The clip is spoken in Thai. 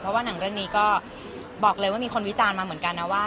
เพราะว่าหนังเรื่องนี้ก็บอกเลยว่ามีคนวิจารณ์มาเหมือนกันนะว่า